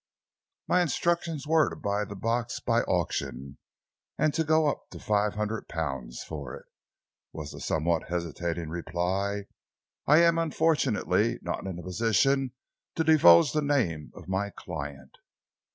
"My instructions were to buy the box by auction, and to go up to five hundred pounds for it," was the somewhat hesitating reply. "I am unfortunately not in a position to divulge the name of my client."